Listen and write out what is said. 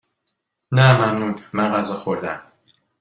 نه ممنون، من غذا خوردهام.